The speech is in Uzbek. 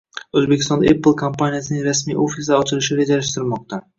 Oʻzbekistonda “Apple” kompaniyasining rasmiy ofislari ochilishi rejalashtirilmoqda.